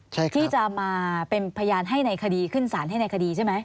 ที่จะมาเป็นพยานให้ในคดีขึ้นสารให้ในคดีใช่ไหม